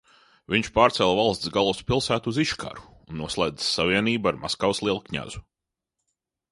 Viņš pārcēla valsts galvaspilsētu uz Iškaru un noslēdza savienību ar Maskavas lielkņazu.